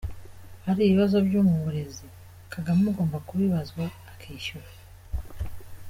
-Ari ibibazo byo mu burezi, Kagame agomba kubibazwa akishyura.